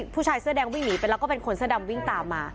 ผู้ชายเสื้อแดงวิ่งหนีไปแล้วก็เป็นคนเสื้อดำวิ่งตามมา